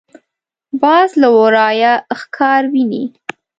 باز له ورايه ښکار ویني